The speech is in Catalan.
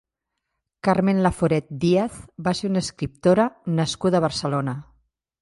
Carmen Laforet Díaz va ser una escriptora nascuda a Barcelona.